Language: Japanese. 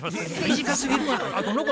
短すぎるわな。